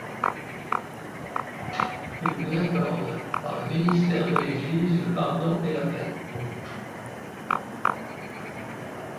Qu’il vous accorde, par le ministère de l’Église le pardon et la paix.